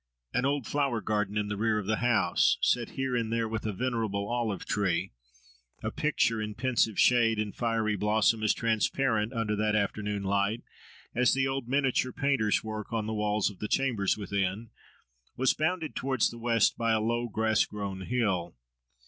An old flower garden in the rear of the house, set here and there with a venerable olive tree—a picture in pensive shade and fiery blossom, as transparent, under that afternoon light, as the old miniature painters' work on the walls of the chambers within—was bounded towards the west by a low, grass grown hill.